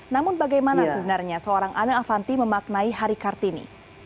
namun bagaimana sebenarnya seorang ana avanti memaknai hari kartini